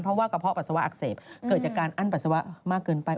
เพราะว่ากระเพาะปัสสาวะอักเสบเกิดจากการอั้นปัสสาวะมากเกินไป